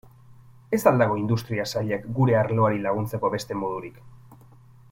Ez al dago Industria Sailak gure arloari laguntzeko beste modurik?